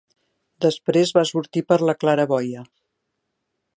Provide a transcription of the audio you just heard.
Després va sortir per la claraboia.